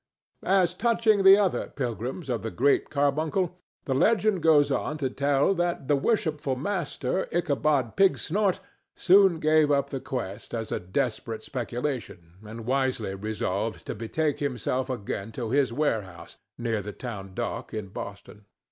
As touching the other pilgrims of the Great Carbuncle, the legend goes on to tell that the worshipful Master Ichabod Pigsnort soon gave up the quest as a desperate speculation, and wisely resolved to betake himself again to his warehouse, near the town dock, in Boston.